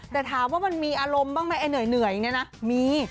แต่ถามว่ามันมีอารมณ์บ้างไหมไอ้เหนื่อยอย่างนี้นะมี